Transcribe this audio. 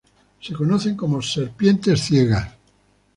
Se conocen como serpientes ciegas.